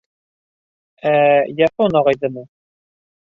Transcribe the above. — Ә, Япон ағайҙымы?